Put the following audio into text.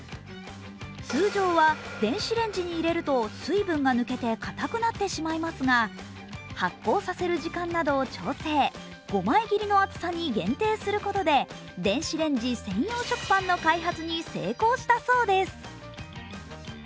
通常は電子レンジに入れると水分が抜けてかたくなってしまいますが発酵させる時間などを調整、５枚切りの厚さに限定することで電子レンジ専用食パンの開発に成功したそうです。